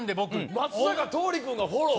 松坂桃李君がフォロー？